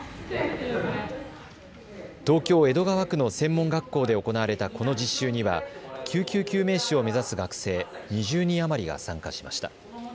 東京江戸川区の専門学校で行われたこの実習には救急救命士を目指す学生２０人余りが参加しました。